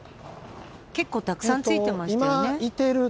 結構たくさんついてますよね。